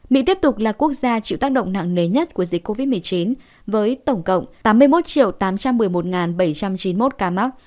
mỹ tiếp tục là quốc gia chịu tác động nặng nề nhất của dịch covid một mươi chín với tổng cộng tám mươi một tám trăm một mươi một bảy trăm chín mươi một ca mắc